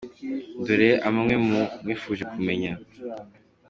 Dore amwe muu yo mwifuje kumenya.